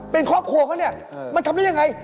เป็นครอบครัวเขาเนี่ยมันทำได้ยังไง